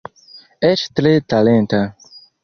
Eĉ tre talenta.